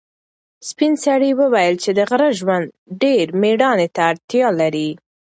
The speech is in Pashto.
سپین سرې وویل چې د غره ژوند ډېر مېړانې ته اړتیا لري.